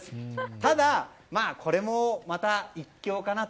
ただ、これもまた一興かなと。